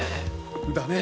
だね。